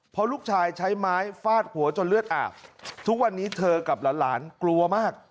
เพราะลูกชายใช้ไม้ฟาดหัวจนเลือดอาบทุกวันนี้เธอกับหลานกลัวมาก